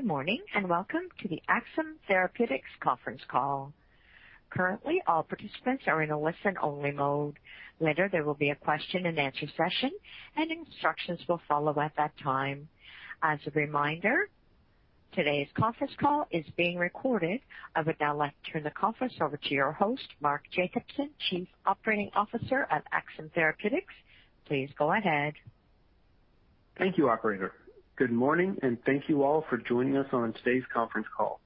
Good morning, and welcome to the Axsome Therapeutics conference call. Currently, all participants are in a listen-only mode. Later, there will be a question and answer session, and instructions will follow at that time. As a reminder, today's conference call is being recorded. I would now like to turn the conference over to your host, Mark Jacobson, Chief Operating Officer of Axsome Therapeutics. Please go ahead. Thank you, operator. Good morning. Thank you all for joining us on today's conference call.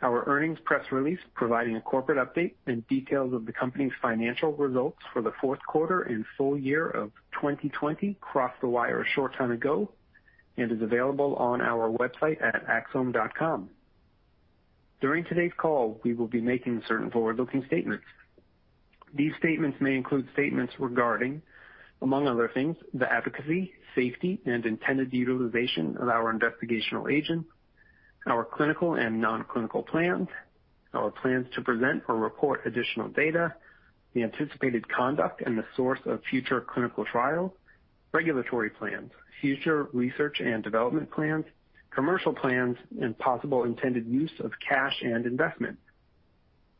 Our earnings press release providing a corporate update and details of the company's financial results for the fourth quarter and full year of 2020 crossed the wire a short time ago and is available on our website at axsome.com. During today's call, we will be making certain forward-looking statements. These statements may include statements regarding, among other things, the efficacy, safety, and intended utilization of our investigational agent, our clinical and non-clinical plans, our plans to present or report additional data, the anticipated conduct and the source of future clinical trials, regulatory plans, future research and development plans, commercial plans, and possible intended use of cash and investments.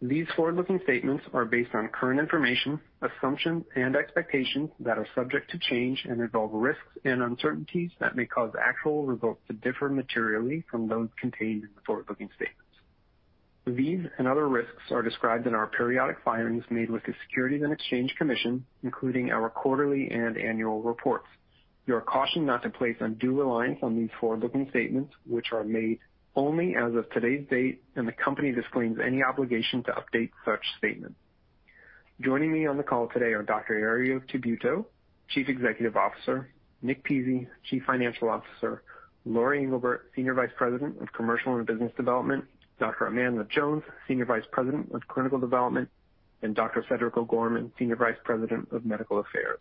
These forward-looking statements are based on current information, assumptions, and expectations that are subject to change and involve risks and uncertainties that may cause actual results to differ materially from those contained in the forward-looking statements. These and other risks are described in our periodic filings made with the Securities and Exchange Commission, including our quarterly and annual reports. You are cautioned not to place undue reliance on these forward-looking statements, which are made only as of today's date, and the company disclaims any obligation to update such statements. Joining me on the call today are Dr. Herriot Tabuteau, Chief Executive Officer; Nick Pizzie, Chief Financial Officer; Lori Engelbert, Senior Vice President of Commercial and Business Development; Dr. Amanda Jones, Senior Vice President of Clinical Development; and Dr. Cedric O'Gorman, Senior Vice President of Medical Affairs.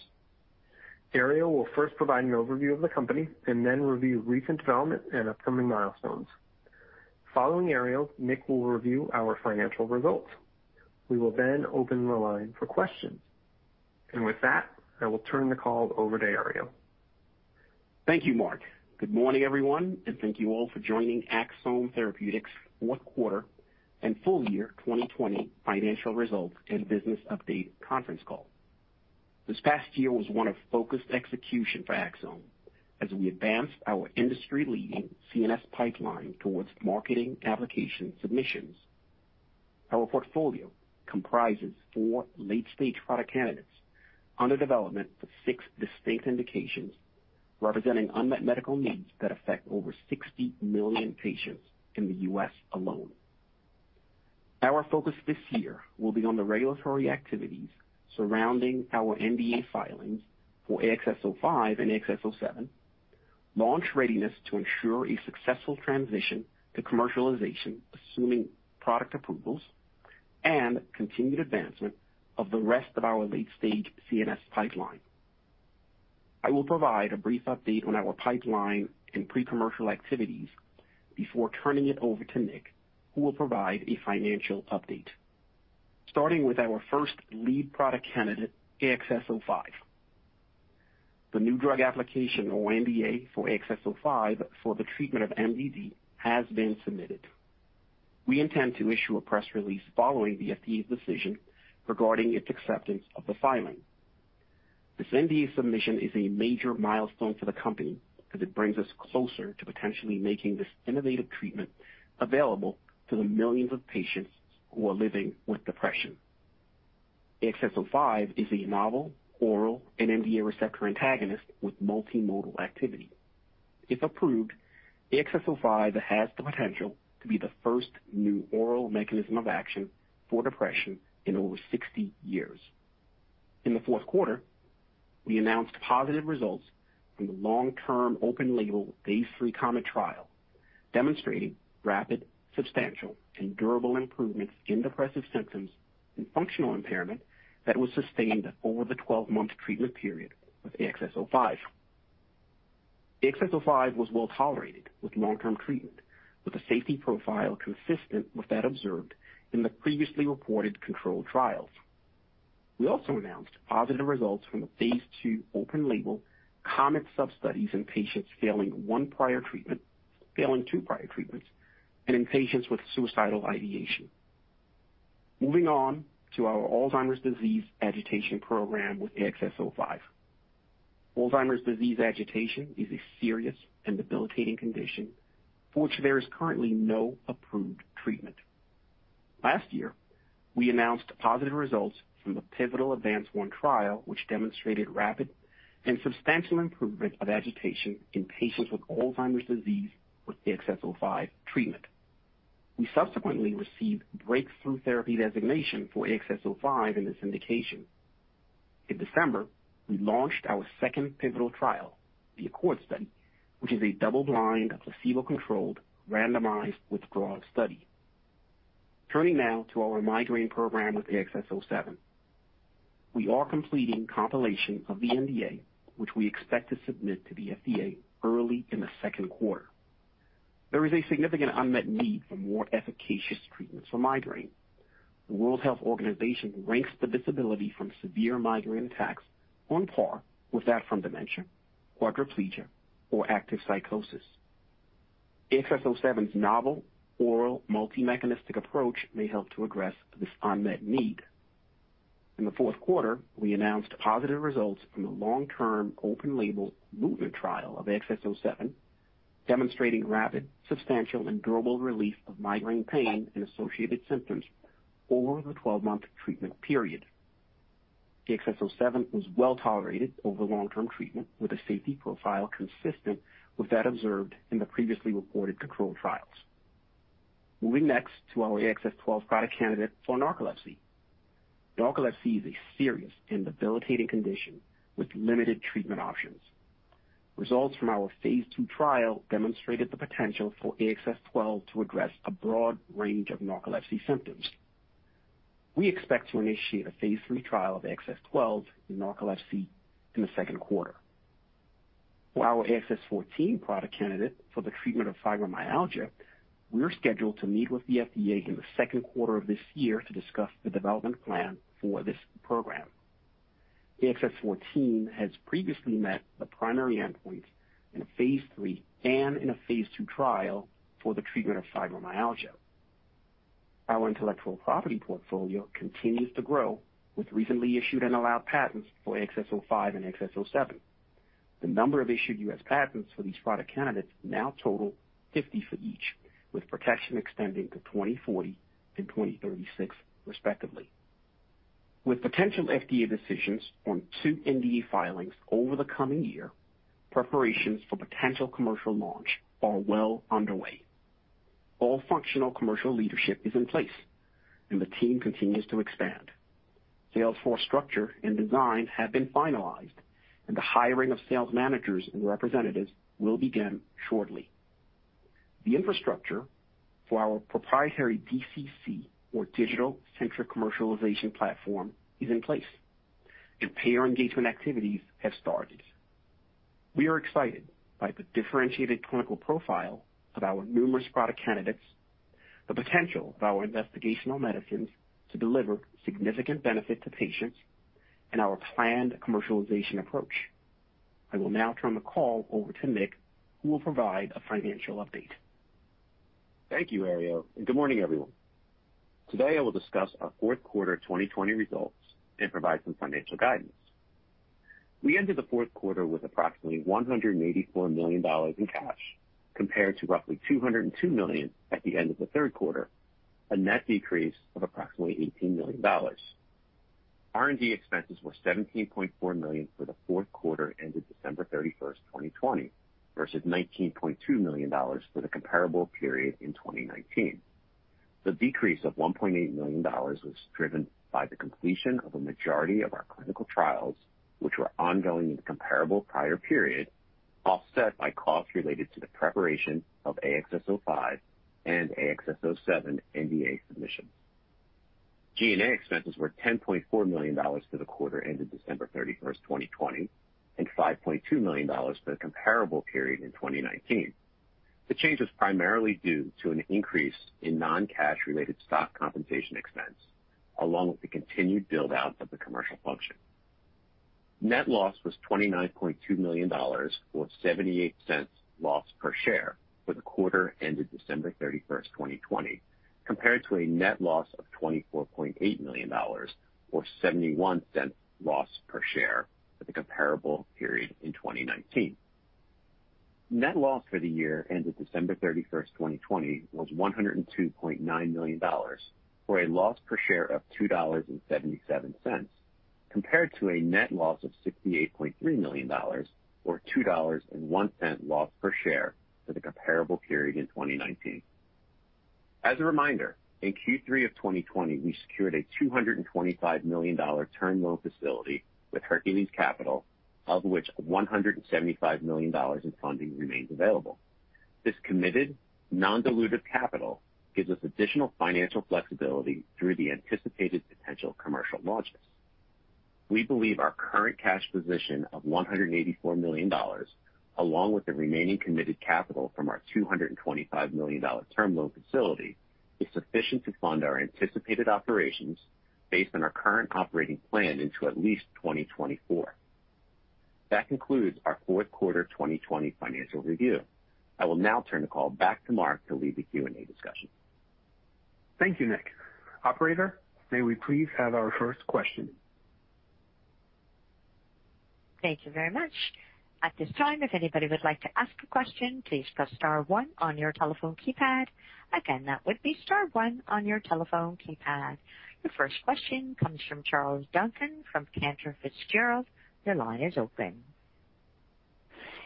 Herriot will first provide an overview of the company and then review recent development and upcoming milestones. Following Herriot, Nick will review our financial results. We will open the line for questions. With that, I will turn the call over to Herriot. Thank you, Mark. Good morning, everyone, and thank you all for joining Axsome Therapeutics' fourth quarter and full year 2020 financial results and business update conference call. This past year was one of focused execution for Axsome as we advanced our industry-leading CNS pipeline towards marketing application submissions. Our portfolio comprises four late-stage product candidates under development for six distinct indications, representing unmet medical needs that affect over 60 million patients in the U.S. alone. Our focus this year will be on the regulatory activities surrounding our NDA filings for AXS-05 and AXS-07, launch readiness to ensure a successful transition to commercialization, assuming product approvals, and continued advancement of the rest of our late-stage CNS pipeline. I will provide a brief update on our pipeline and pre-commercial activities before turning it over to Nick, who will provide a financial update. Starting with our first lead product candidate, AXS-05. The new drug application or NDA for AXS-05 for the treatment of MDD has been submitted. We intend to issue a press release following the FDA's decision regarding its acceptance of the filing. This NDA submission is a major milestone for the company because it brings us closer to potentially making this innovative treatment available to the millions of patients who are living with depression. AXS-05 is a novel oral NMDA receptor antagonist with multimodal activity. If approved, AXS-05 has the potential to be the first new oral mechanism of action for depression in over 60 years. In the fourth quarter, we announced positive results from the long-term open label phase III COMET trial demonstrating rapid, substantial, and durable improvements in depressive symptoms and functional impairment that was sustained over the 12-month treatment period with AXS-05. AXS-05 was well-tolerated with long-term treatment with a safety profile consistent with that observed in the previously reported controlled trials. We also announced positive results from the Phase II open-label COMET sub-studies in patients failing one prior treatment, failing two prior treatments, and in patients with suicidal ideation. Moving on to our Alzheimer's disease agitation program with AXS-05. Alzheimer's disease agitation is a serious and debilitating condition for which there is currently no approved treatment. Last year, we announced positive results from the pivotal ADVANCE-1 trial, which demonstrated rapid and substantial improvement of agitation in patients with Alzheimer's disease with AXS-05 treatment. We subsequently received Breakthrough Therapy designation for AXS-05 in this indication. In December, we launched our second pivotal trial, the ACCORD study, which is a double-blind, placebo-controlled, randomized withdrawal study. Turning now to our migraine program with AXS-07. We are completing compilation of the NDA, which we expect to submit to the FDA early in the second quarter. There is a significant unmet need for more efficacious treatments for migraine. The World Health Organization ranks the disability from severe migraine attacks on par with that from dementia, quadriplegia, or active psychosis. AXS-07's novel oral multi-mechanistic approach may help to address this unmet need. In the fourth quarter, we announced positive results from the long-term open label MOVEMENT trial of AXS-07, demonstrating rapid, substantial, and durable relief of migraine pain and associated symptoms over the 12-month treatment period. The AXS-07 was well-tolerated over long-term treatment with a safety profile consistent with that observed in the previously reported controlled trials. Moving next to our AXS-12 product candidate for narcolepsy. Narcolepsy is a serious and debilitating condition with limited treatment options. Results from our phase II trial demonstrated the potential for AXS-12 to address a broad range of narcolepsy symptoms. We expect to initiate a phase III trial of AXS-12 in narcolepsy in the second quarter. For our AXS-14 product candidate for the treatment of fibromyalgia, we're scheduled to meet with the FDA in the second quarter of this year to discuss the development plan for this program. AXS-14 has previously met the primary endpoint in a phase III and in a phase II trial for the treatment of fibromyalgia. Our intellectual property portfolio continues to grow with recently issued and allowed patents for AXS-05 and AXS-07. The number of issued U.S. patents for these product candidates now total 50 for each, with protection extending to 2040 and 2036, respectively. With potential FDA decisions on two NDA filings over the coming year, preparations for potential commercial launch are well underway. All functional commercial leadership is in place, and the team continues to expand. Sales force structure and design have been finalized, and the hiring of sales managers and representatives will begin shortly. The infrastructure for our proprietary DCC, or Digital-Centric Commercialization platform, is in place, and payer engagement activities have started. We are excited by the differentiated clinical profile of our numerous product candidates, the potential of our investigational medicines to deliver significant benefit to patients, and our planned commercialization approach. I will now turn the call over to Nick, who will provide a financial update. Thank you, Herriot, good morning, everyone. Today, I will discuss our fourth quarter 2020 results and provide some financial guidance. We ended the fourth quarter with approximately $184 million in cash, compared to roughly $202 million at the end of the third quarter, a net decrease of approximately $18 million. R&D expenses were $17.4 million for the fourth quarter ended December 31, 2020, versus $19.2 million for the comparable period in 2019. The decrease of $1.8 million was driven by the completion of a majority of our clinical trials, which were ongoing in the comparable prior period, offset by costs related to the preparation of AXS-05 and AXS-07 NDA submissions. G&A expenses were $10.4 million for the quarter ended December 31, 2020, and $5.2 million for the comparable period in 2019. The change was primarily due to an increase in non-cash related stock compensation expense, along with the continued build-out of the commercial function. Net loss was $29.2 million or $0.78 loss per share for the quarter ended December 31, 2020, compared to a net loss of $24.8 million or $0.71 loss per share for the comparable period in 2019. Net loss for the year ended December 31, 2020, was $102.9 million, for a loss per share of $2.77, compared to a net loss of $68.3 million or $2.01 loss per share for the comparable period in 2019. As a reminder, in Q3 of 2020, we secured a $225 million term loan facility with Hercules Capital, of which $175 million in funding remains available. This committed non-dilutive capital gives us additional financial flexibility through the anticipated potential commercial launches. We believe our current cash position of $184 million, along with the remaining committed capital from our $225 million term loan facility, is sufficient to fund our anticipated operations based on our current operating plan into at least 2024. That concludes our fourth quarter 2020 financial review. I will now turn the call back to Mark to lead the Q&A discussion. Thank you, Nick. Operator, may we please have our first question? Thank you very much. At this time, if anybody would like to ask a question, please press star one on your telephone keypad. Again, that would be star one on your telephone keypad. The first question comes from Charles Duncan from Cantor Fitzgerald. Your line is open.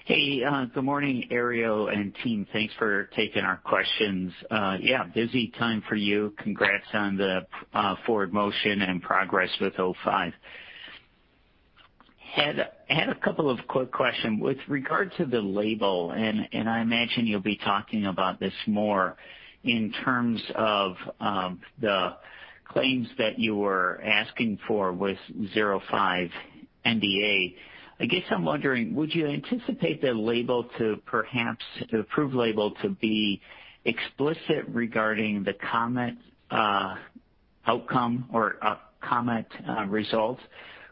Hey, good morning, Herriot and team. Thanks for taking our questions. Yeah, busy time for you. Congrats on the forward motion and progress with 05. Had a couple of quick question. With regard to the label, and I imagine you'll be talking about this more in terms of the claims that you were asking for with 05 NDA. I guess I'm wondering, would you anticipate the approved label to be explicit regarding the COMET outcome or a COMET result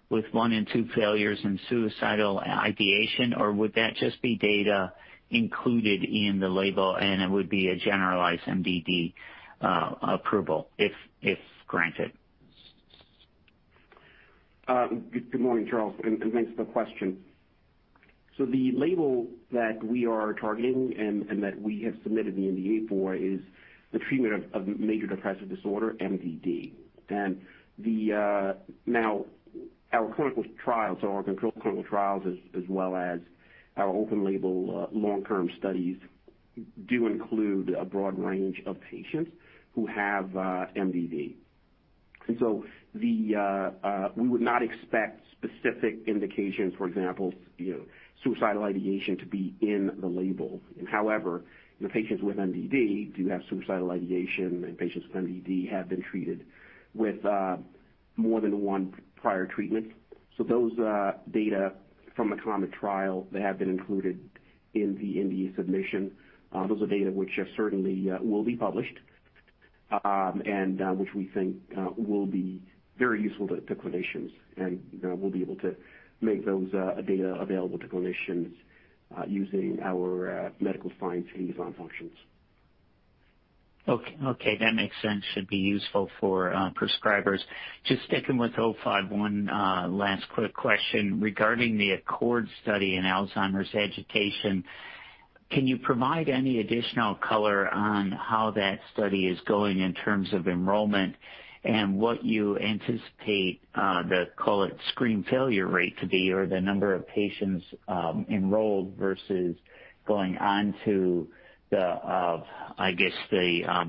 with one in two failures in suicidal ideation? Or would that just be data included in the label, and it would be a generalized MDD approval if granted? Good morning, Charles. Thanks for the question. The label that we are targeting and that we have submitted the NDA for is the treatment of major depressive disorder, MDD. Our clinical trials, our controlled clinical trials, as well as our open-label, long-term studies, do include a broad range of patients who have MDD. We would not expect specific indications, for example, suicidal ideation, to be in the label. However, patients with MDD do have suicidal ideation. Patients with MDD have been treated with more than one prior treatment. Those data from the COMET trial that have been included in the NDA submission, those are data which certainly will be published, which we think will be very useful to clinicians. We'll be able to make those data available to clinicians using our medical science liaison functions. Okay. That makes sense. Should be useful for prescribers. Just sticking with 05, one last quick question. Regarding the ACCORD study in Alzheimer's agitation, can you provide any additional color on how that study is going in terms of enrollment and what you anticipate the, call it, screen failure rate to be, or the number of patients enrolled versus going on to the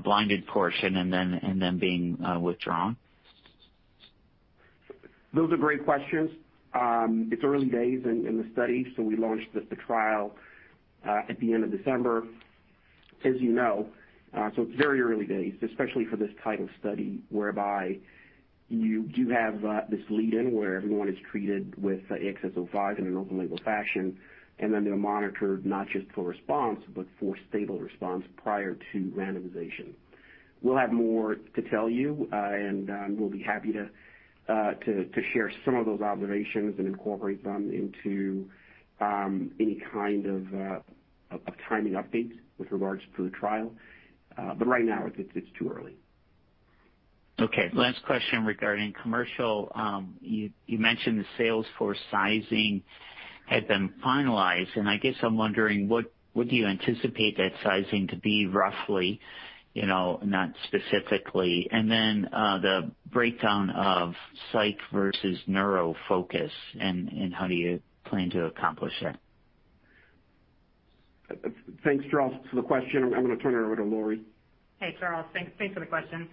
blinded portion and then being withdrawn? Those are great questions. It's early days in the study, so we launched the trial at the end of December, as you know. It's very early days, especially for this type of study, whereby you do have this lead-in where everyone is treated with AXS-05 in an open label fashion, and then they're monitored not just for response, but for stable response prior to randomization. We'll have more to tell you, and we'll be happy to share some of those observations and incorporate them into any kind of timing updates with regards to the trial. Right now, it's too early. Okay. Last question regarding commercial. You mentioned the sales force sizing had been finalized, and I guess I'm wondering, what do you anticipate that sizing to be roughly, not specifically. Then, the breakdown of psych versus neurofocus and how do you plan to accomplish that? Thanks, Charles for the question. I'm going to turn it over to Lori. Hey, Charles. Thanks for the question.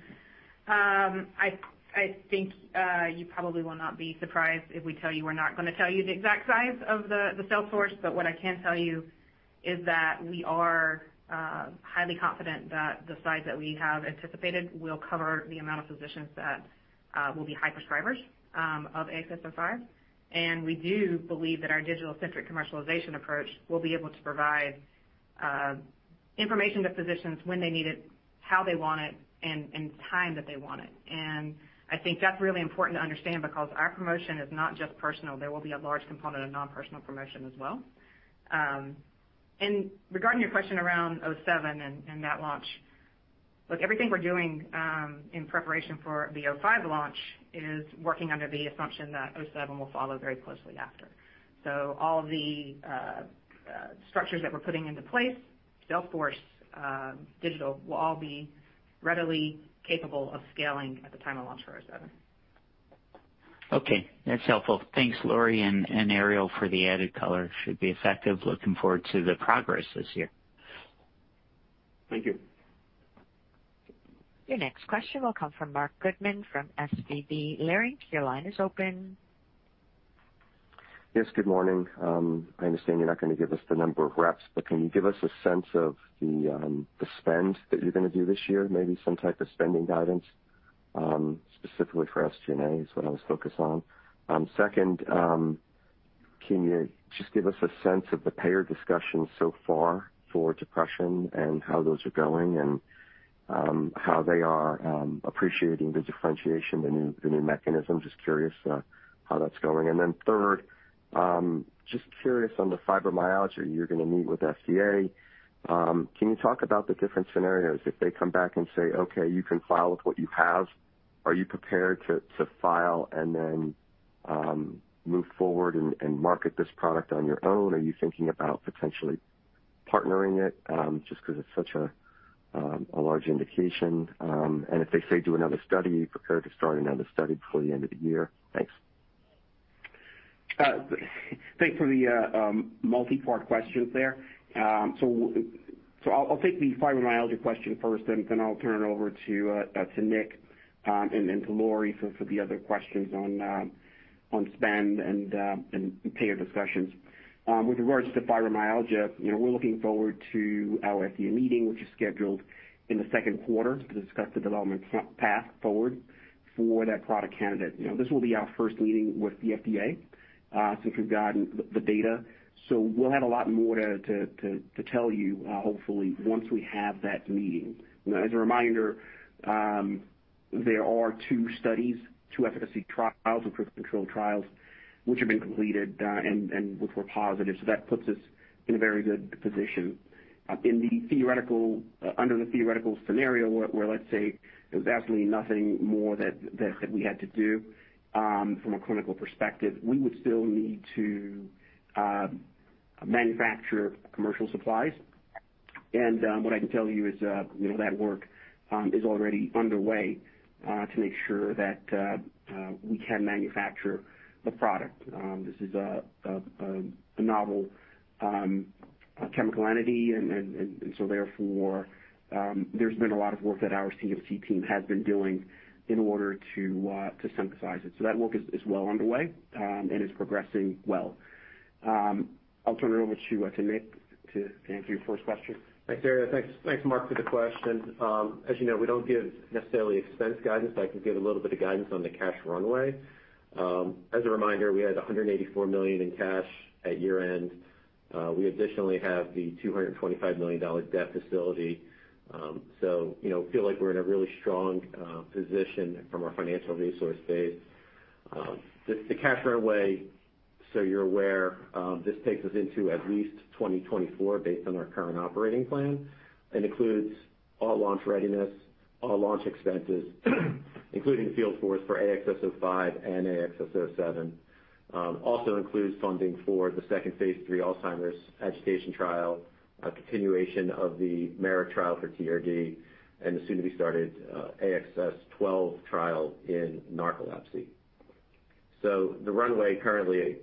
I think you probably will not be surprised if we tell you we're not going to tell you the exact size of the sales force. What I can tell you is that we are highly confident that the size that we have anticipated will cover the amount of physicians that will be high prescribers of AXS-05. We do believe that our Digital-Centric Commercialization approach will be able to provide information to physicians when they need it, how they want it, and in the time that they want it. I think that's really important to understand because our promotion is not just personal. There will be a large component of non-personal promotion as well. Regarding your question around 07 and that launch, look, everything we're doing in preparation for the 05 launch is working under the assumption that 07 will follow very closely after. All of the structures that we're putting into place, sales force, digital, will all be readily capable of scaling at the time of launch for 07. Okay. That's helpful. Thanks, Lori and Herriot for the added color. Should be effective. Looking forward to the progress this year. Thank you. Your next question will come from Marc Goodman from SVB Leerink. Your line is open. Yes, good morning. I understand you're not going to give us the number of reps. Can you give us a sense of the spend that you're going to do this year? Maybe some type of spending guidance, specifically for SG&A is what I was focused on. Can you just give us a sense of the payer discussions so far for depression and how those are going and how they are appreciating the differentiation, the new mechanism? Just curious how that's going. Just curious on the fibromyalgia you're going to meet with FDA. Can you talk about the different scenarios? If they come back and say, "Okay, you can file with what you have," are you prepared to file and then move forward and market this product on your own? Are you thinking about potentially partnering it just because it's such a large indication? If they say do another study, are you prepared to start another study before the end of the year? Thanks. Thanks for the multi-part questions there. I'll take the fibromyalgia question first, and then I'll turn it over to Nick, and then to Lori for the other questions on spend and payer discussions. With regards to fibromyalgia, we're looking forward to our FDA meeting, which is scheduled in the second quarter to discuss the development path forward for that product candidate. This will be our first meeting with the FDA since we've gotten the data. We'll have a lot more to tell you, hopefully, once we have that meeting. As a reminder, there are two studies, two efficacy trials and controlled trials, which have been completed, and which were positive. That puts us in a very good position. Under the theoretical scenario, where, let's say there's absolutely nothing more that we had to do from a clinical perspective, we would still need to manufacture commercial supplies. What I can tell you is that work is already underway to make sure that we can manufacture the product. This is a novel chemical entity, therefore, there's been a lot of work that our CMC team has been doing in order to synthesize it. That work is well underway, and is progressing well. I'll turn it over to Nick to answer your first question. Thanks, Herriot. Thanks, Mark, for the question. As you know, we don't give necessarily expense guidance. I can give a little bit of guidance on the cash runway. As a reminder, we had $184 million in cash at year-end. We additionally have the $225 million debt facility. Feel like we're in a really strong position from our financial resource base. You're aware, this takes us into at least 2024 based on our current operating plan, and includes all launch readiness, all launch expenses, including field force for AXS-05 and AXS-07. Also includes funding for the second phase III Alzheimer's agitation trial, a continuation of the MERIT trial for TRD, and the soon-to-be-started AXS-12 trial in narcolepsy. The runway currently,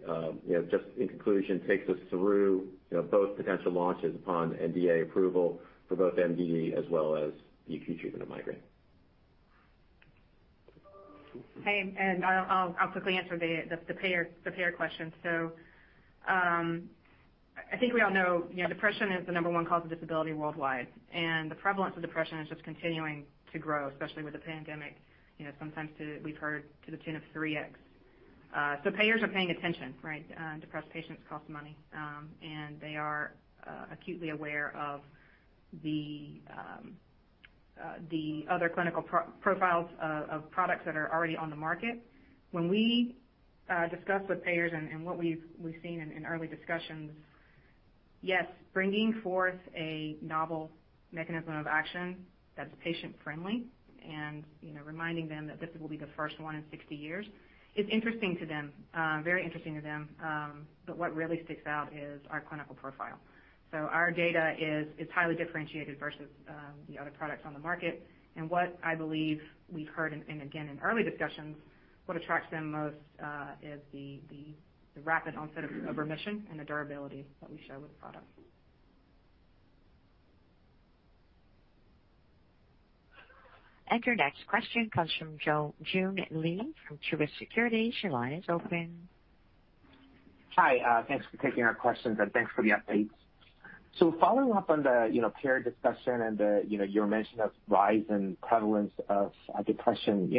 just in conclusion, takes us through both potential launches upon NDA approval for both MDD as well as the acute treatment of migraine. Hey, I'll quickly answer the payer question. I think we all know depression is the number one cause of disability worldwide. The prevalence of depression is just continuing to grow, especially with the pandemic, sometimes we've heard to the tune of 3x. Payers are paying attention, right? Depressed patients cost money. They are acutely aware of the other clinical profiles of products that are already on the market. When we discuss with payers and what we've seen in early discussions, yes, bringing forth a novel mechanism of action that's patient friendly and reminding them that this will be the first one in 60 years, is interesting to them, very interesting to them. What really sticks out is our clinical profile. Our data is highly differentiated versus the other products on the market. What I believe we've heard, and again, in early discussions, what attracts them most is the rapid onset of remission and the durability that we show with the product. Your next question comes from Joon Lee from Truist Securities. Your line is open. Hi. Thanks for taking our questions, and thanks for the updates. Following up on the payer discussion and your mention of rise in prevalence of depression.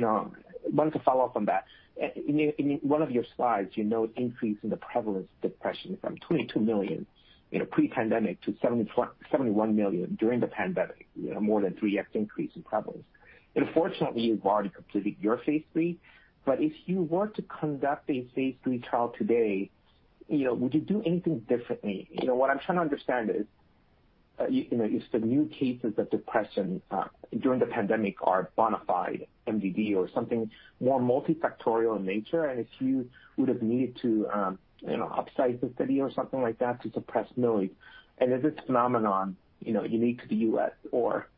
Wanted to follow up on that. In one of your slides, increase in the prevalence of depression from 22 million pre-pandemic to 71 million during the pandemic. More than 3x increase in prevalence. Fortunately, you've already completed your phase III. If you were to conduct a phase III trial today, would you do anything differently? What I'm trying to understand is if the new cases of depression during the pandemic are bona fide MDD or something more multifactorial in nature, and if you would've needed to upsize the study or something like that to suppress millions. Is this phenomenon unique to the U.S. or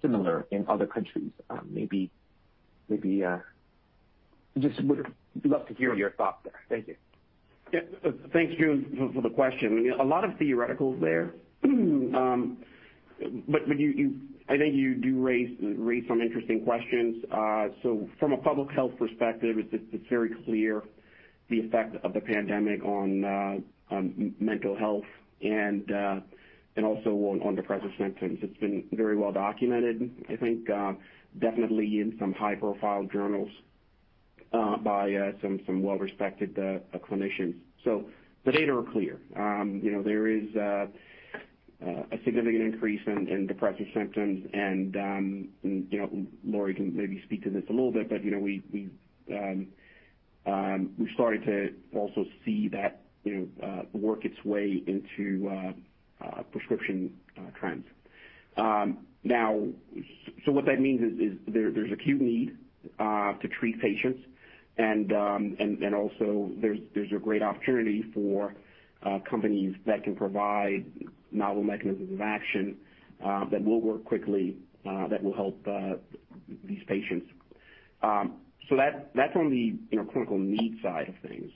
similar in other countries? Maybe just would love to hear your thoughts there. Thank you. Yeah. Thank you for the question. A lot of theoreticals there. I think you do raise some interesting questions. From a public health perspective, it's very clear the effect of the pandemic on mental health and also on depressive symptoms. It's been very well documented, I think, definitely in some high-profile journals by some well-respected clinicians. The data are clear. There is a significant increase in depressive symptoms and Lori can maybe speak to this a little bit, but we've started to also see that work its way into prescription trends. What that means is there's acute need to treat patients. Also there's a great opportunity for companies that can provide novel mechanisms of action that will work quickly, that will help these patients. That's on the clinical need side of things.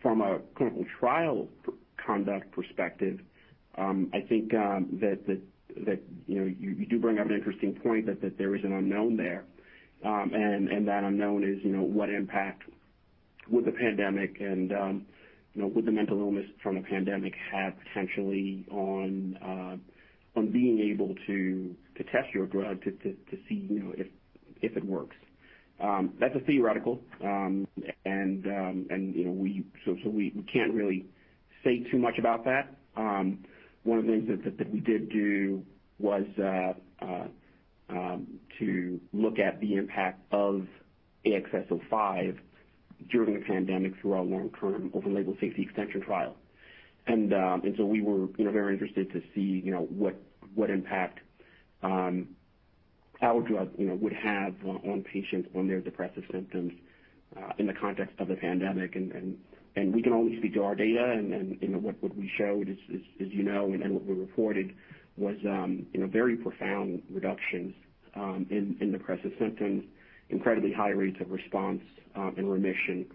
From a clinical trial conduct perspective, I think that you do bring up an interesting point that there is an unknown there. That unknown is what impact will the pandemic and will the mental illness from the pandemic have potentially on being able to test your drug to see if it works. That's a theoretical, we can't really say too much about that. One of the things that we did do was to look at the impact of AXS-05 during the pandemic through our long-term over label safety extension trial. We were very interested to see what impact our drug would have on patients, on their depressive symptoms, in the context of the pandemic. We can only speak to our data and what we showed is, as you know and what we reported was very profound reductions in depressive symptoms, incredibly high rates of response and remission,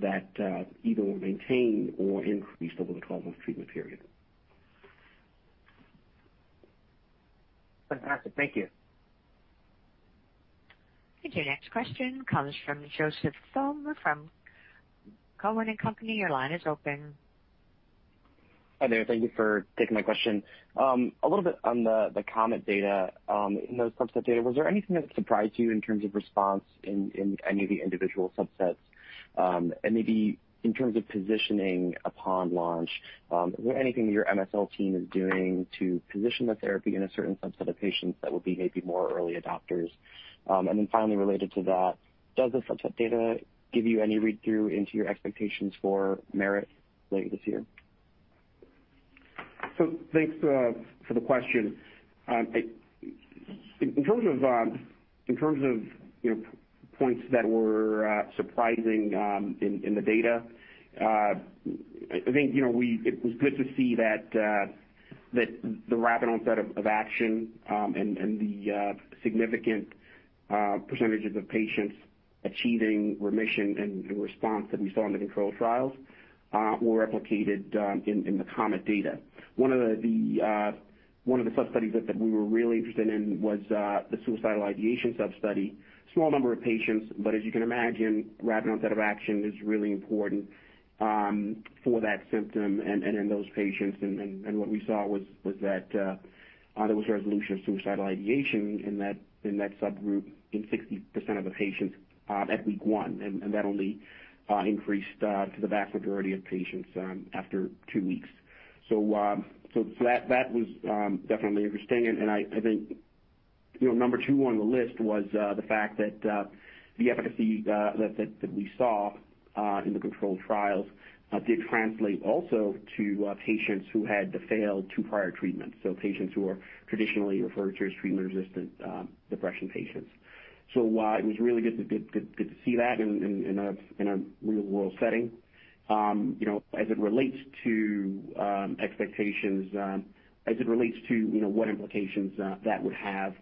that either were maintained or increased over the 12-month treatment period. Fantastic. Thank you. Thank you. Next question comes from Joseph Thome from Cowen and Company. Your line is open. Hi there. Thank you for taking my question. A little bit on the COMET data. In those subset data, was there anything that surprised you in terms of response in any of the individual subsets? Maybe in terms of positioning upon launch, is there anything that your MSL team is doing to position the therapy in a certain subset of patients that would be maybe more early adopters? Finally related to that, does the subset data give you any read-through into your expectations for MERIT later this year? Thanks for the question. In terms of points that were surprising in the data, I think it was good to see that the rapid onset of action, and the significant percentages of patients achieving remission and response that we saw in the controlled trials were replicated in the COMET data. One of the sub-studies that we were really interested in was the suicidal ideation sub-study. Small number of patients, as you can imagine, rapid onset of action is really important for that symptom and in those patients. What we saw was that there was a resolution of suicidal ideation in that subgroup in 60% of the patients at week one. That only increased to the vast majority of patients after two weeks. That was definitely interesting. I think number two on the list was the fact that the efficacy that we saw in the controlled trials did translate also to patients who had failed two prior treatments. Patients who are traditionally referred to as treatment-resistant depression patients. It was really good to see that in a real-world setting. As it relates to what implications that would have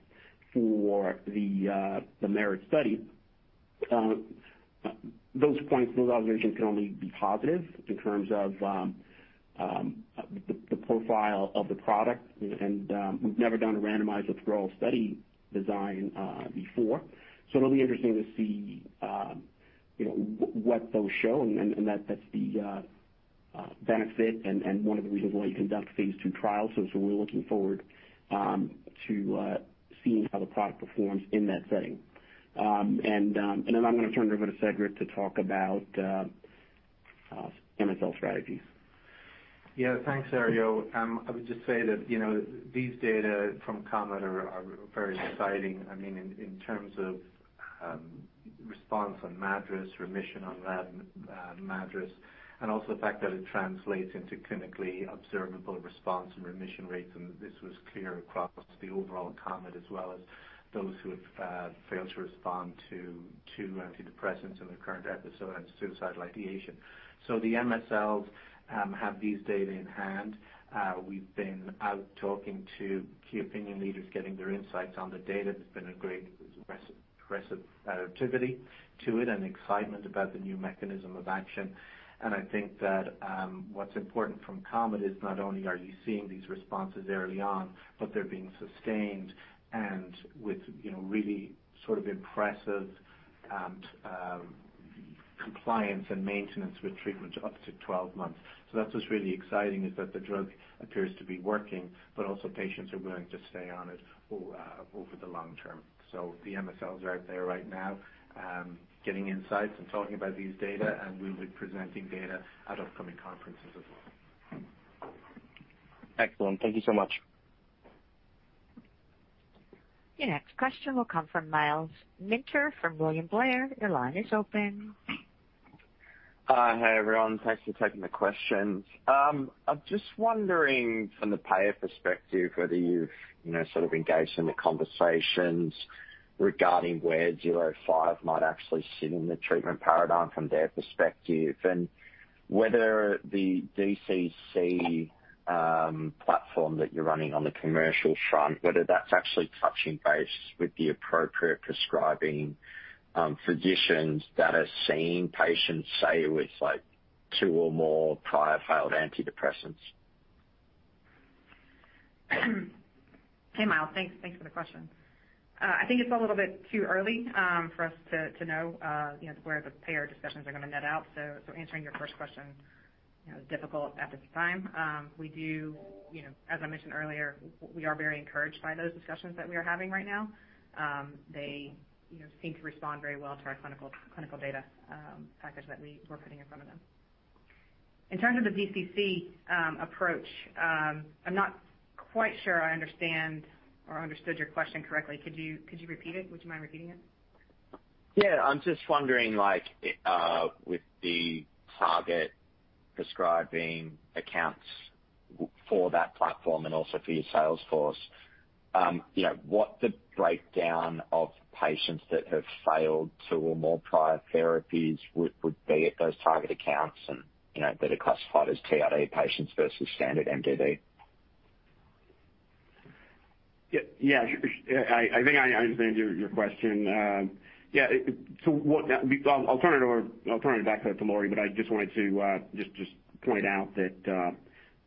for the MERIT study, those points, those observations can only be positive in terms of the profile of the product. We've never done a randomized withdrawal study design before, so it'll be interesting to see what those show and that's the benefit and one of the reasons why you conduct phase II trials. We're looking forward to seeing how the product performs in that setting. Then I'm going to turn it over to Cedric to talk about MSL strategies. Yeah. Thanks, Herriot. I would just say that these data from COMET are very exciting. In terms of response on MADRS, remission on that MADRS, and also the fact that it translates into clinically observable response and remission rates, and this was clear across the overall COMET as well as those who have failed to respond to two antidepressants in their current episode had suicidal ideation. The MSLs have these data in hand. We've been out talking to key opinion leaders, getting their insights on the data. There's been a great receptivity to it and excitement about the new mechanism of action. I think that what's important from COMET is not only are you seeing these responses early on, but they're being sustained and with really sort of impressive compliance and maintenance with treatment up to 12 months. That's what's really exciting, is that the drug appears to be working, but also patients are willing to stay on it over the long term. The MSLs are out there right now getting insights and talking about these data, and we'll be presenting data at upcoming conferences as well. Excellent. Thank you so much. Your next question will come from Myles Minter from William Blair. Your line is open. Hi. Hey, everyone. Thanks for taking the questions. I'm just wondering from the payer perspective, whether you've sort of engaged in the conversations regarding where zero five might actually sit in the treatment paradigm from their perspective? Whether the DCC platform that you're running on the commercial front, whether that's actually touching base with the appropriate prescribing physicians that are seeing patients, say, with two or more prior failed antidepressants? Hey, Myles. Thanks for the question. I think it's a little bit too early for us to know where the payer discussions are going to net out. Answering your first question, is difficult at this time. As I mentioned earlier, we are very encouraged by those discussions that we are having right now. They seem to respond very well to our clinical data package that we're putting in front of them. In terms of the DCC approach, I'm not quite sure I understand or understood your question correctly. Could you repeat it? Would you mind repeating it? Yeah. I'm just wondering with the target prescribing accounts for that platform and also for your sales force, what the breakdown of patients that have failed two or more prior therapies would be at those target accounts and that are classified as TRD patients versus standard MDD. Yeah. I think I understand your question. Yeah. I'll turn it back over to Lori, I just wanted to point out that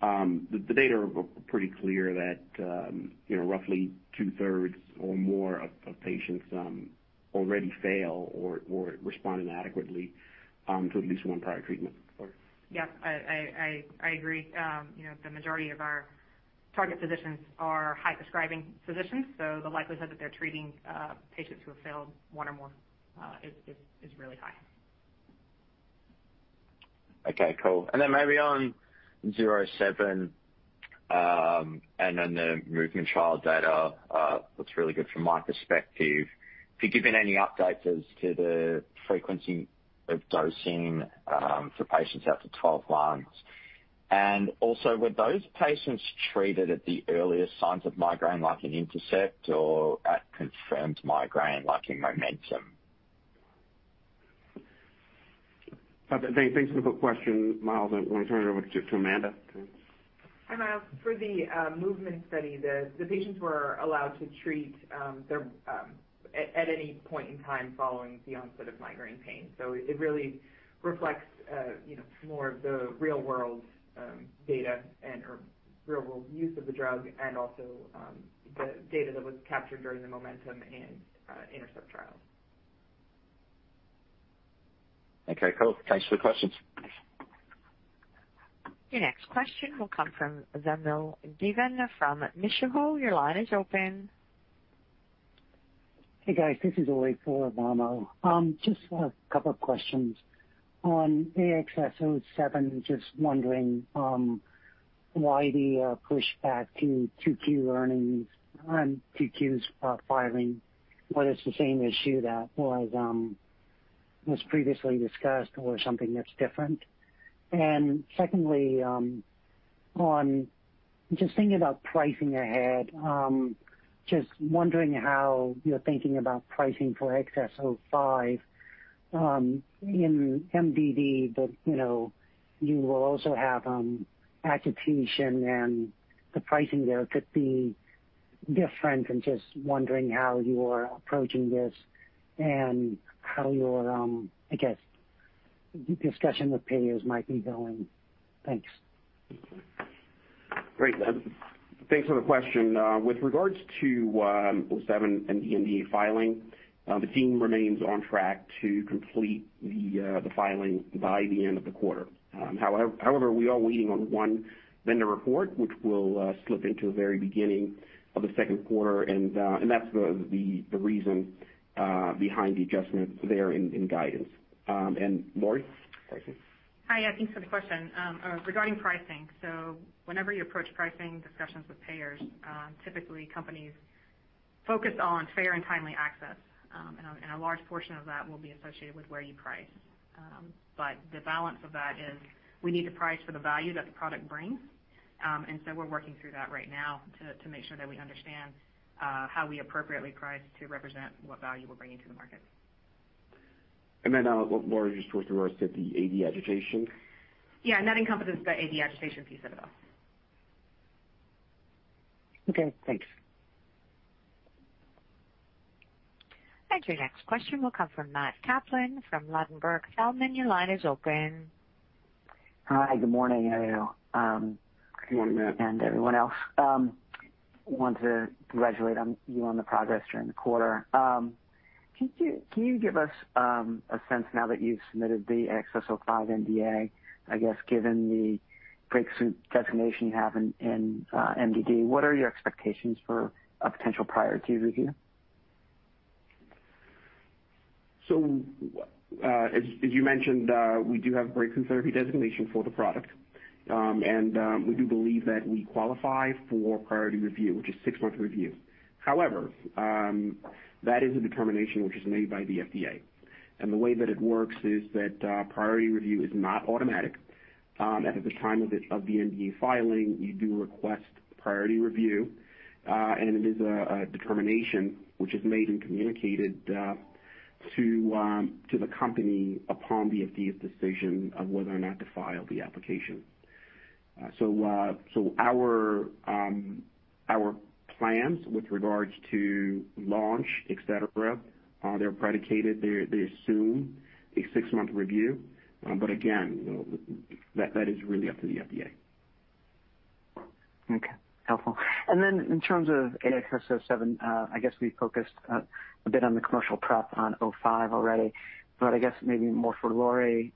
the data are pretty clear that roughly two-thirds or more of patients already fail or respond inadequately to at least one prior treatment. Lori? Yeah. I agree. The majority of our target physicians are high-prescribing physicians, so the likelihood that they're treating patients who have failed one or more is really high. Okay, cool. Maybe on AXS-07, the MOVEMENT trial data looks really good from my perspective. Could you give me any update as to the frequency of dosing for patients out to 12 months? Also, were those patients treated at the earliest signs of migraine, like in INTERCEPT, or at confirmed migraine, like in MOMENTUM? Thanks for the question, Myles. I want to turn it over to Amanda. Hi, Myles. For the MOVEMENT study, the patients were allowed to treat at any point in time following the onset of migraine pain. It really reflects more of the real world data and/or real world use of the drug and also the data that was captured during the MOMENTUM and INTERCEPT trials. Okay, cool. Thanks for the questions. Your next question will come from Vamil Divan from Mizuho. Your line is open. Hey, guys. This is Inanc Birol for Vamil. Just a couple of questions. On AXS-07, just wondering why the pushback to 2Q earnings on 2Q's filing. Was it the same issue that was previously discussed or something that's different? Secondly, just thinking about pricing ahead, just wondering how you're thinking about pricing for AXS-05 in MDD, but you will also have agitation and the pricing there could be different. Just wondering how you are approaching this and how your discussion with payers might be going. Thanks. Great, Vamil. Thanks for the question. With regards to 07 and the NDA filing, the team remains on track to complete the filing by the end of the quarter. However, we are waiting on one vendor report, which will slip into the very beginning of the second quarter, and that's the reason behind the adjustment there in guidance. Lori, pricing. Hi. Yeah, thanks for the question. Regarding pricing, whenever you approach pricing discussions with payers, typically companies focus on fair and timely access, and a large portion of that will be associated with where you price. The balance of that is we need to price for the value that the product brings. We're working through that right now to make sure that we understand how we appropriately price to represent what value we're bringing to the market. Then, Lori, just with regards to the AD agitation? Yeah, that encompasses the AD agitation piece of it all. Okay, thanks. Your next question will come from Matt Kaplan from Ladenburg Thalmann. Your line is open. Hi. Good morning, Herriot. Good morning, Matt. Everyone else. I want to congratulate you on the progress during the quarter. Can you give us a sense now that you've submitted the AXS-05 NDA, I guess given the Breakthrough designation you have in MDD, what are your expectations for a potential Priority Review? As you mentioned, we do have Breakthrough Therapy designation for the product. We do believe that we qualify for Priority Review, which is six months review. However, that is a determination which is made by the FDA. The way that it works is that Priority Review is not automatic. At the time of the NDA filing, you do request Priority Review, and it is a determination which is made and communicated to the company upon the FDA's decision of whether or not to file the application. Our plans with regards to launch, et cetera, they're predicated, they assume a six-month review. Again, that is really up to the FDA. Okay, helpful. In terms of 07, I guess we focused a bit on the commercial prep on 05 already, but I guess maybe more for Lori.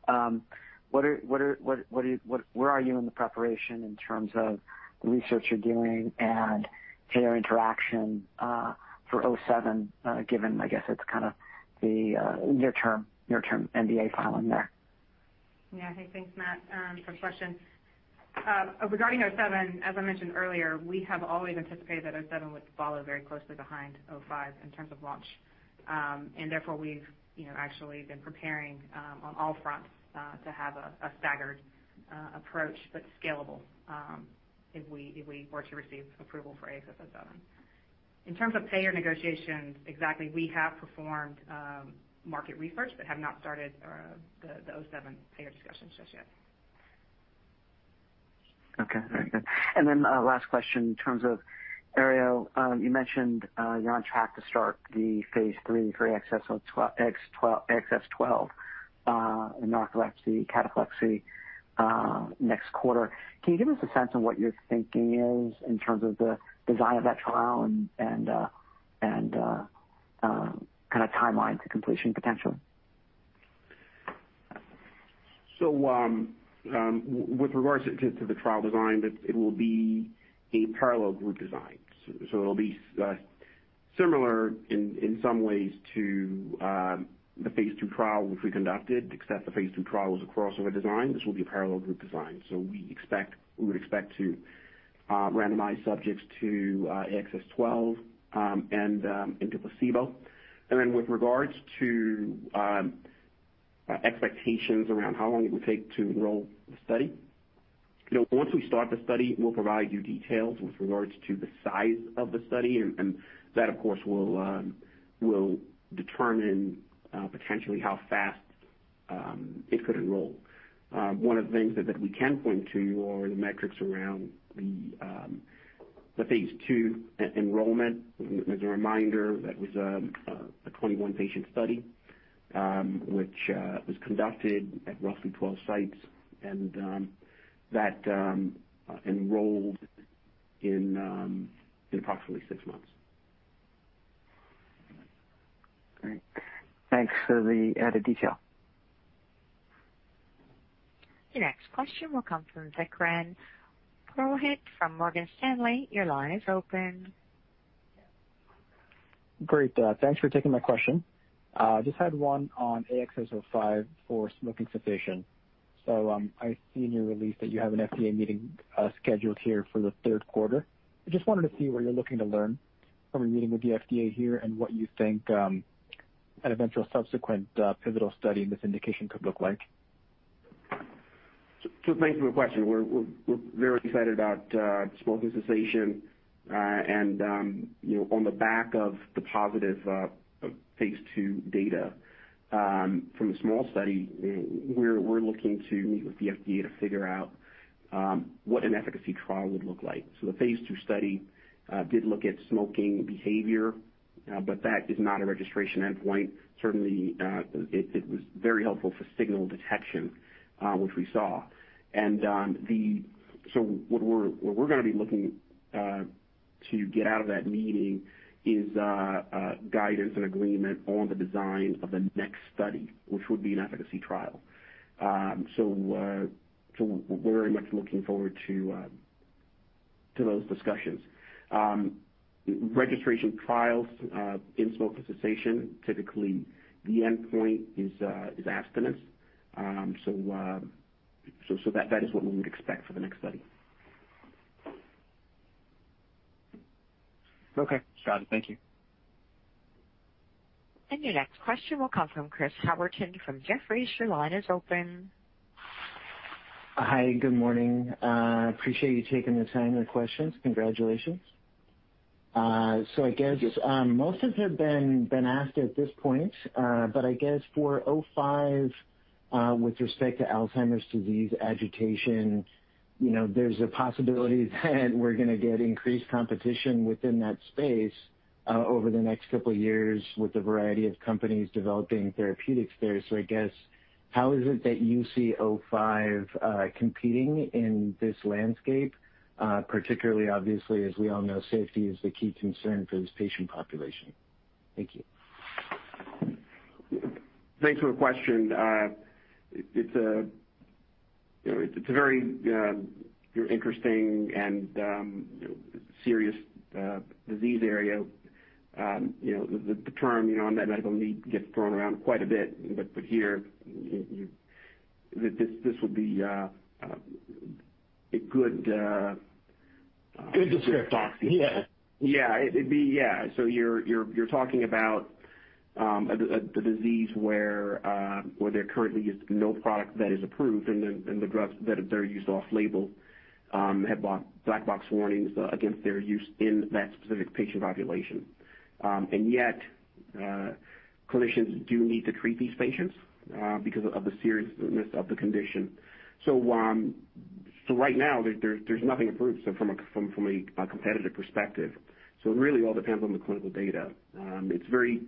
Where are you in the preparation in terms of the research you're doing and payer interaction for 07, given, I guess, it's kind of the near-term NDA filing there? Yeah. Hey, thanks, Matt, for the question. Regarding 07, as I mentioned earlier, we have always anticipated that 07 would follow very closely behind 05 in terms of launch. Therefore, we've actually been preparing on all fronts to have a staggered approach, but scalable if we were to receive approval for AXS-07. In terms of payer negotiations, exactly, we have performed market research but have not started the 07 payer discussions just yet. Okay. Very good. Last question, in terms of Herriot, you mentioned you're on track to start the phase III for AXS-12 in narcolepsy, cataplexy next quarter. Can you give us a sense of what your thinking is in terms of the design of that trial and kind of timeline to completion potential? With regards to the trial design, it will be a parallel group design. It'll be similar in some ways to the phase II trial which we conducted, except the phase II trial was a crossover design. This will be a parallel group design. We would expect to randomize subjects to AXS-12 and into placebo. With regards to expectations around how long it would take to enroll the study. Once we start the study, we'll provide you details with regards to the size of the study, and that, of course, will determine potentially how fast it could enroll. One of the things that we can point to are the metrics around the phase II enrollment. As a reminder, that was a 21-patient study which was conducted at roughly 12 sites, and that enrolled in approximately six months. Great. Thanks for the added detail. Your next question will come from Vikram Purohit from Morgan Stanley. Your line is open. Great. Thanks for taking my question. Just had one on AXS-05 for smoking cessation. I see in your release that you have an FDA meeting scheduled here for the third quarter. I just wanted to see what you're looking to learn from your meeting with the FDA here and what you think an eventual subsequent pivotal study in this indication could look like. Thanks for the question. We're very excited about smoking cessation. On the back of the positive phase II data from a small study, we're looking to meet with the FDA to figure out what an efficacy trial would look like. The phase II study did look at smoking behavior, but that is not a registration endpoint. Certainly, it was very helpful for signal detection, which we saw. What we're going to be looking to get out of that meeting is guidance and agreement on the design of the next study, which would be an efficacy trial. We're very much looking forward to those discussions. Registration trials in smoking cessation, typically the endpoint is abstinence. That is what we would expect for the next study. Okay. Got it. Thank you. Your next question will come from Chris Howerton from Jefferies. Your line is open. Hi. Good morning. Appreciate you taking the time for questions. Congratulations. Thanks. I guess most have been asked at this point. I guess for AXS-05, with respect to Alzheimer's disease agitation, there's a possibility that we're going to get increased competition within that space over the next couple of years with a variety of companies developing therapeutics there. I guess how is it that you see AXS-05 competing in this landscape? Particularly obviously, as we all know, safety is the key concern for this patient population. Thank you. Thanks for the question. It's a very interesting and serious disease area. The term unmet medical need gets thrown around quite a bit, here, this would be a good. Good descriptor. Yeah. Yeah. You're talking about the disease where there currently is no product that is approved and the drugs that are used off-label have black box warnings against their use in that specific patient population. Yet clinicians do need to treat these patients because of the seriousness of the condition. Right now, there's nothing approved from a competitive perspective. It really all depends on the clinical data. It's very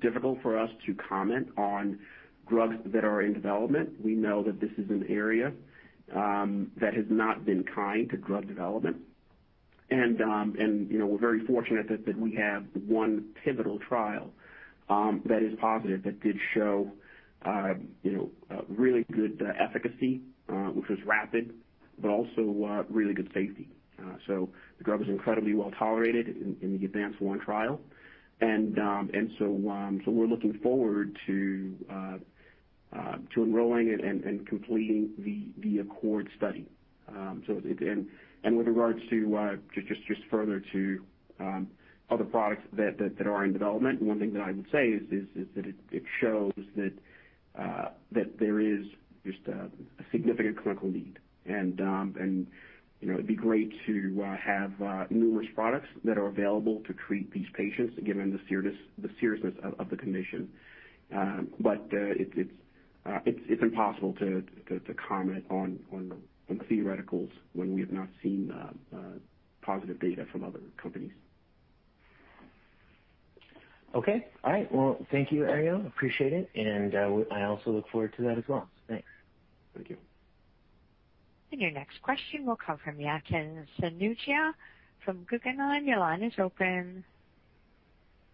difficult for us to comment on drugs that are in development. We know that this is an area that has not been kind to drug development. We're very fortunate that we have one pivotal trial that is positive, that did show really good efficacy, which was rapid, but also really good safety. The drug was incredibly well-tolerated in the ADVANCE-1 trial. We're looking forward to enrolling and completing the ACCORD study. With regards to just further to other products that are in development, one thing that I would say is that it shows that there is just a significant clinical need. It'd be great to have numerous products that are available to treat these patients, given the seriousness of the condition. It's impossible to comment on theoreticals when we have not seen positive data from other companies. Okay. All right. Well, thank you, Herriot. Appreciate it. I also look forward to that as well. Thanks. Thank you. Your next question will come from Yatin Suneja from Guggenheim.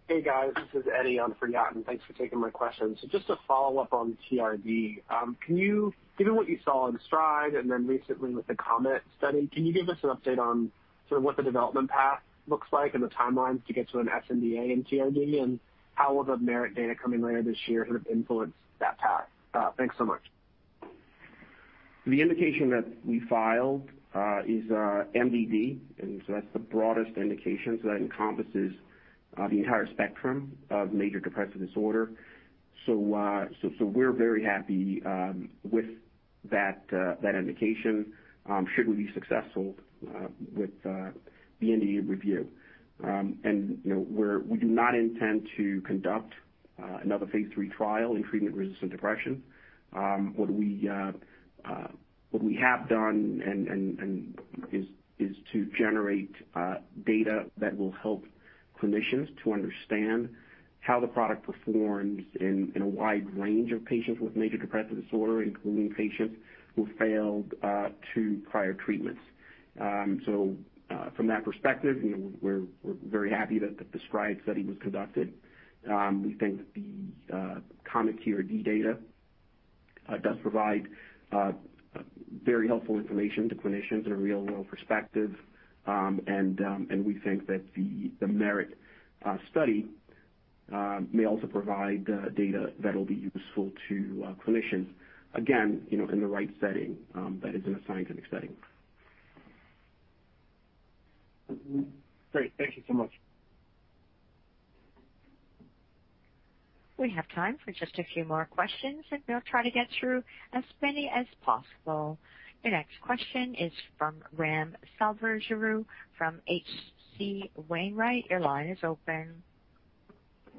Hey, guys. This is Eddie on for Yatin. Thanks for taking my question. Just a follow-up on TRD. Given what you saw in STRIDE and then recently with the COMET study, can you give us an update on sort of what the development path looks like and the timelines to get to an sNDA in TRD? How will the MERIT data coming later this year sort of influence that path? Thanks so much. The indication that we filed is MDD, that's the broadest indication. That encompasses the entire spectrum of major depressive disorder. We're very happy with that indication, should we be successful with the NDA review. We do not intend to conduct another phase III trial in treatment-resistant depression. What we have done is to generate data that will help clinicians to understand how the product performs in a wide range of patients with major depressive disorder, including patients who failed two prior treatments. From that perspective, we're very happy that the STRIDE-1 study was conducted. We think the COMET TRD data does provide very helpful information to clinicians in a real-world perspective. We think that the MERIT study may also provide data that'll be useful to clinicians, again, in the right setting, that is, in a scientific setting. Great. Thank you so much. We have time for just a few more questions, and we'll try to get through as many as possible. Your next question is from Ram Selvaraju from H.C. Wainwright. Your line is open.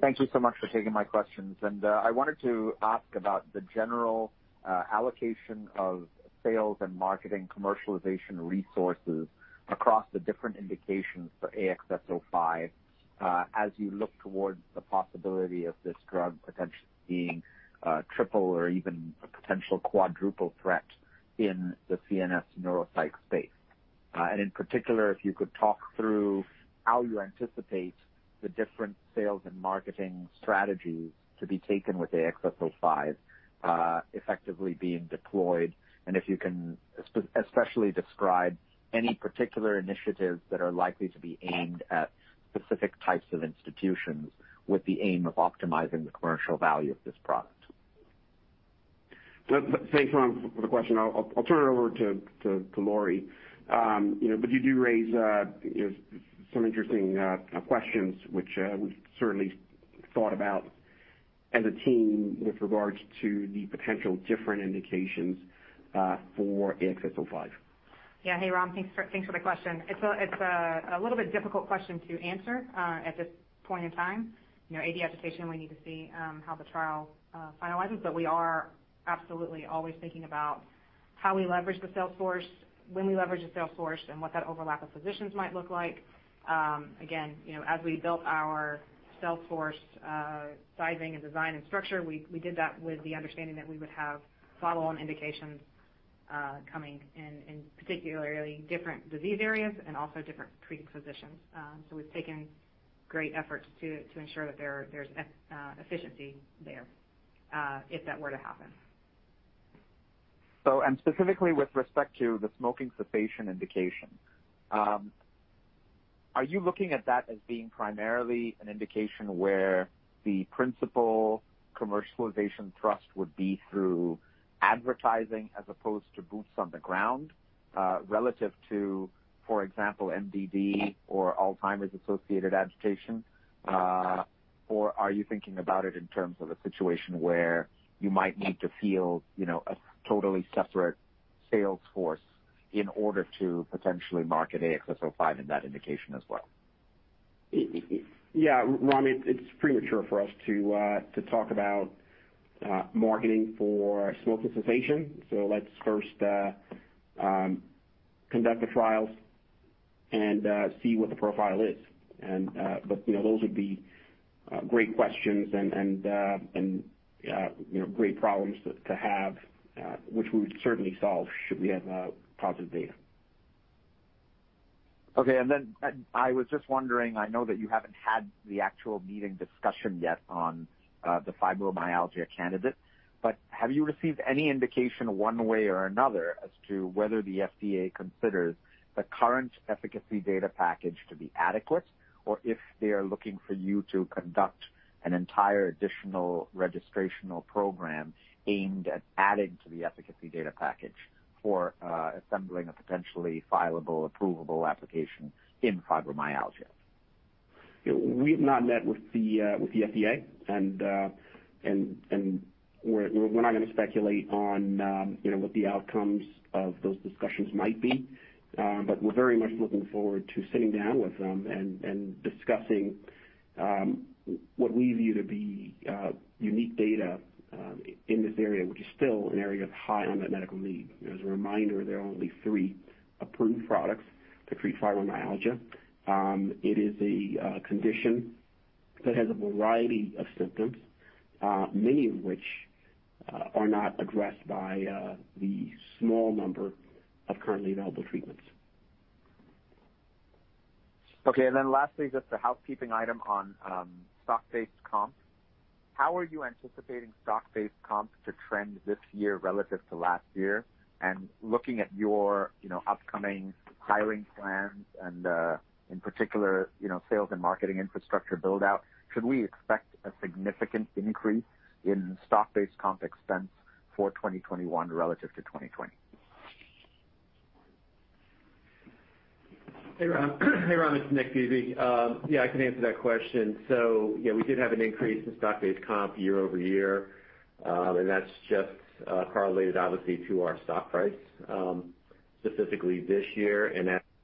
Thank you so much for taking my questions. I wanted to ask about the general allocation of sales and marketing commercialization resources across the different indications for AXS-05 as you look towards the possibility of this drug potentially being a triple or even a potential quadruple threat in the CNS neuropsych space. In particular, if you could talk through how you anticipate the different sales and marketing strategies to be taken with AXS-05 effectively being deployed, and if you can especially describe any particular initiatives that are likely to be aimed at specific types of institutions with the aim of optimizing the commercial value of this product. Thanks, Ram, for the question. I'll turn it over to Lori. You do raise some interesting questions, which we've certainly thought about as a team with regards to the potential different indications for AXS-05. Hey, Ram. Thanks for the question. It's a little bit difficult question to answer at this point in time. AD agitation, we need to see how the trial finalizes. We are absolutely always thinking about how we leverage the sales force, when we leverage the sales force, and what that overlap of physicians might look like. Again, as we built our sales force sizing and design and structure, we did that with the understanding that we would have follow-on indications coming in particularly different disease areas and also different treating physicians. We've taken great efforts to ensure that there's efficiency there if that were to happen. Specifically with respect to the smoking cessation indication, are you looking at that as being primarily an indication where the principal commercialization thrust would be through advertising as opposed to boots on the ground relative to, for example, MDD or Alzheimer's-associated agitation? Or are you thinking about it in terms of a situation where you might need to field a totally separate sales force in order to potentially market AXS-05 in that indication as well? Yeah. Ram, it's premature for us to talk about marketing for smoking cessation. Let's first conduct the trials and see what the profile is. Great questions and great problems to have, which we would certainly solve should we have positive data. Okay. I was just wondering, I know that you haven't had the actual meeting discussion yet on the fibromyalgia candidate, but have you received any indication one way or another as to whether the FDA considers the current efficacy data package to be adequate? Or if they are looking for you to conduct an entire additional registrational program aimed at adding to the efficacy data package for assembling a potentially fileable, approvable application in fibromyalgia. We've not met with the FDA. We're not going to speculate on what the outcomes of those discussions might be. We're very much looking forward to sitting down with them and discussing what we view to be unique data in this area, which is still an area of high unmet medical need. As a reminder, there are only three approved products to treat fibromyalgia. It is a condition that has a variety of symptoms, many of which are not addressed by the small number of currently available treatments. Okay. Lastly, just a housekeeping item on stock-based comp. How are you anticipating stock-based comp to trend this year relative to last year? Looking at your upcoming hiring plans and, in particular, sales and marketing infrastructure build-out, should we expect a significant increase in stock-based comp expense for 2021 relative to 2020? Hey, Ram, it's Nick Pizzie. Yeah, I can answer that question. Yeah, we did have an increase in stock-based comp year-over-year. That's just correlated, obviously, to our stock price, specifically this year.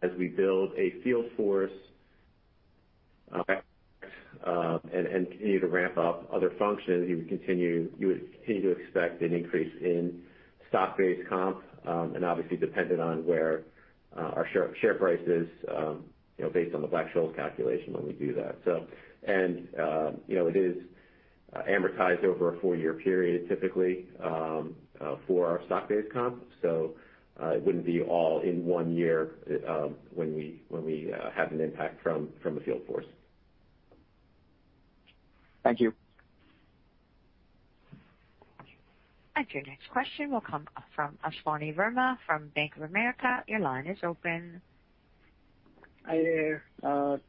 As we build a field force and continue to ramp up other functions, you would continue to expect an increase in stock-based comp, and obviously dependent on where our share price is based on the Black-Scholes calculation when we do that. It is amortized over a four-year period, typically, for our stock-based comp, so it wouldn't be all in one year when we have an impact from the field force. Thank you. Your next question will come from Ashwani Verma from Bank of America. Your line is open. Hi there.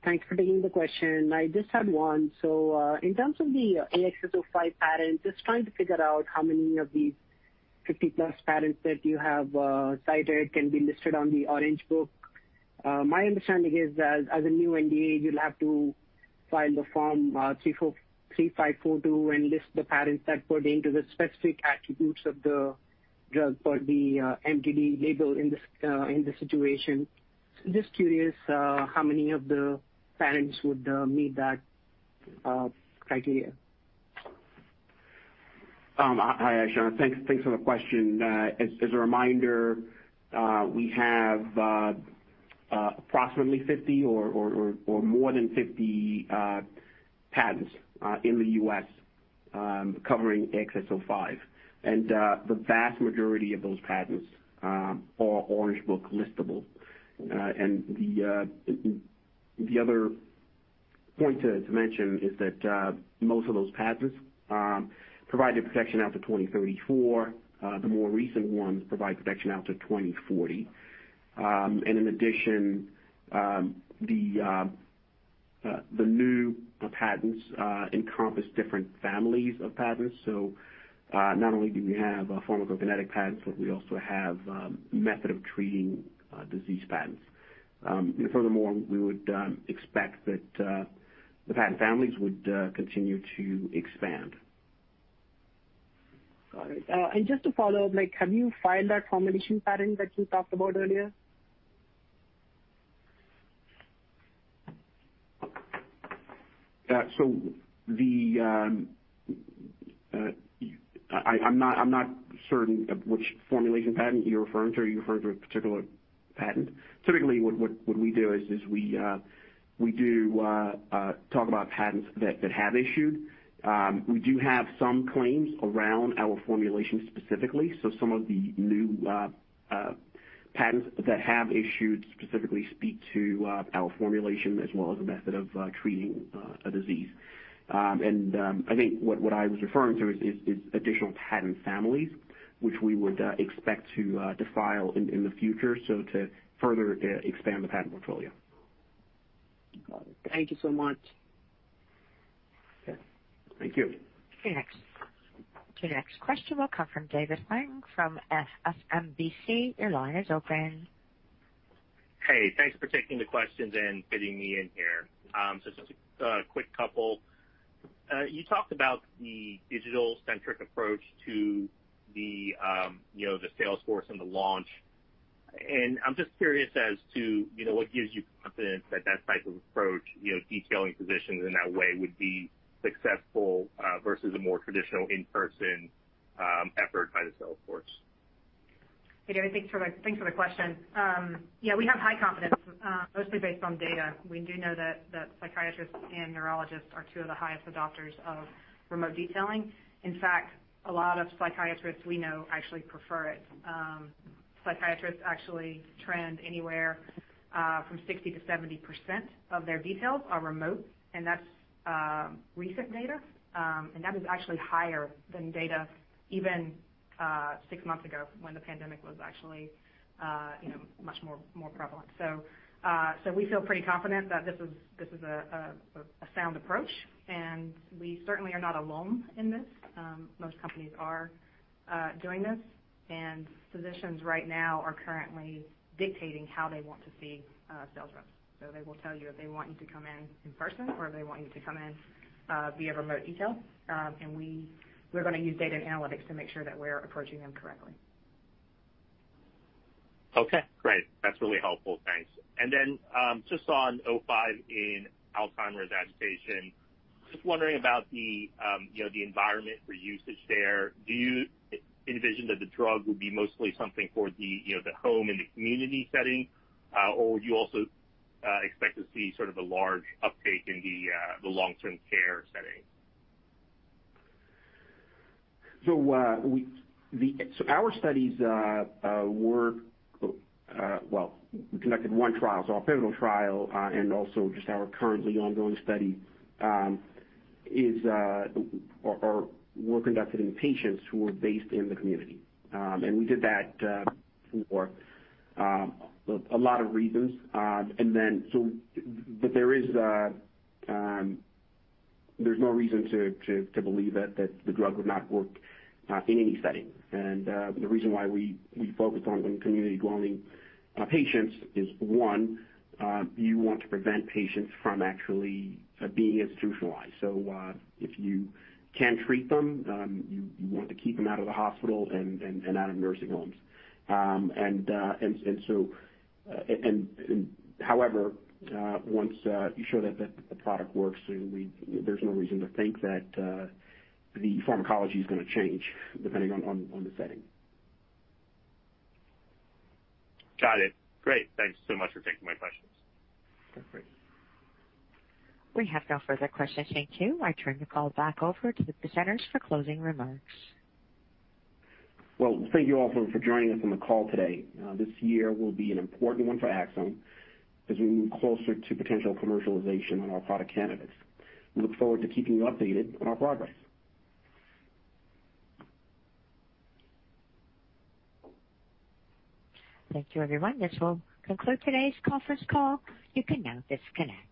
Thanks for taking the question. I just had one. In terms of the AXS-05 patent, just trying to figure out how many of these 50+ patents that you have cited can be listed on the Orange Book. My understanding is that as a new NDA, you'll have to file the Form 3542 and list the patents that pertain to the specific attributes of the drug per the MDD label in this situation. Just curious how many of the patents would meet that criteria. Hi, Ashwani. Thanks for the question. As a reminder, we have approximately 50 or more than 50 patents in the U.S. covering AXS-05. The vast majority of those patents are Orange Book listable. The other point to mention is that most of those patents provide the protection out to 2034. The more recent ones provide protection out to 2040. In addition, the new patents encompass different families of patents. Not only do we have pharmacokinetic patents, but we also have method of treating disease patents. Furthermore, we would expect that the patent families would continue to expand. Got it. Just to follow up, have you filed that formulation patent that you talked about earlier? Yeah. I'm not certain which formulation patent you're referring to. Are you referring to a particular patent? Typically, what we do is we talk about patents that have issued. We do have some claims around our formulation specifically. Some of the new patents that have issued specifically speak to our formulation as well as a method of treating a disease. I think what I was referring to is additional patent families, which we would expect to file in the future, so to further expand the patent portfolio. Got it. Thank you so much. Okay. Thank you. The next question will come from David Hoang from SMBC. Your line is open. Hey, thanks for taking the questions and fitting me in here. Just a quick couple. You talked about the Digital-Centric approach to the sales force and the launch, and I'm just curious as to what gives you confidence that type of approach, detailing physicians in that way would be successful versus a more traditional in-person effort by the sales force? Hey, David, thanks for the question. Yeah, we have high confidence, mostly based on data. We do know that psychiatrists and neurologists are two of the highest adopters of remote detailing. In fact, a lot of psychiatrists we know actually prefer it. Psychiatrists actually trend anywhere from 60%-70% of their details are remote. That's recent data. That is actually higher than data even six months ago, when the pandemic was actually much more prevalent. We feel pretty confident that this is a sound approach, and we certainly are not alone in this. Most companies are doing this, and physicians right now are currently dictating how they want to see sales reps. They will tell you if they want you to come in person or if they want you to come in via remote detail. We're going to use data and analytics to make sure that we're approaching them correctly. Okay, great. That's really helpful. Thanks. Then just on 05 in Alzheimer's agitation, just wondering about the environment for usage there. Do you envision that the drug would be mostly something for the home and the community setting? Or would you also expect to see sort of a large uptake in the long-term care setting? Well, we conducted one trial, our pivotal trial and also just our currently ongoing study, were conducted in patients who were based in the community. We did that for a lot of reasons. There's no reason to believe that the drug would not work in any setting. The reason why we focused on community-dwelling patients is, one, you want to prevent patients from actually being institutionalized. If you can treat them, you want to keep them out of the hospital and out of nursing homes. However, once you show that the product works, there's no reason to think that the pharmacology is going to change depending on the setting. Got it. Great. Thanks so much for taking my questions. No problem. We have no further questions in queue. I turn the call back over to the presenters for closing remarks. Well, thank you all for joining us on the call today. This year will be an important one for Axsome as we move closer to potential commercialization on our product candidates. We look forward to keeping you updated on our progress. Thank you, everyone. This will conclude today's conference call. You can now disconnect.